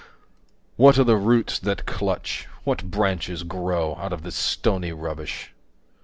What are the roots that clutch, what branches grow Out of this stony rubbish?